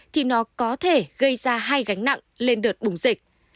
thì nó có thể gây ra hai gánh nặng lên đợt bùng dịch